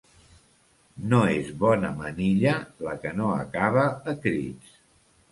No és bona manilla la que no acaba a crits.